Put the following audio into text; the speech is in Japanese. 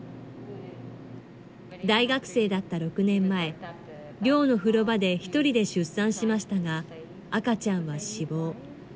大学生だった６年前、寮の風呂場で１人で出産しましたが、赤ちゃんは死亡。